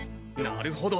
なるほど。